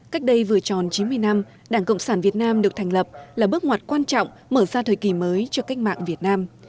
cách đây vừa tròn chín mươi năm đảng cộng sản việt nam được thành lập là bước ngoặt quan trọng mở ra thời kỳ mới cho cách mạng việt nam